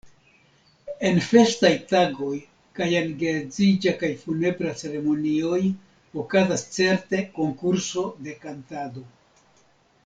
En festaj tagoj kaj en geedziĝa kaj funebra ceremonioj okazas certe konkurso de kantado.